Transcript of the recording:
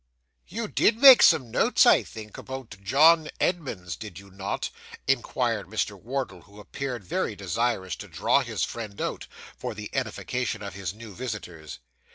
'You did make some notes, I think, about John Edmunds, did you not?' inquired Mr. Wardle, who appeared very desirous to draw his friend out, for the edification of his new visitors.